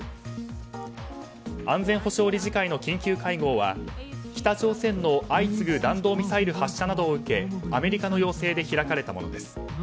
安全保障理事会の緊急会合は北朝鮮の相次ぐ弾道ミサイル発射などを受けアメリカの要請で開かれたものです。